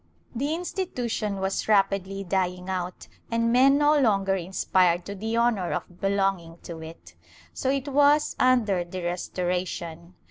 The institution was rapidly dying out and men no longer aspired to the honor of be longing to it. So it was under the Restoration.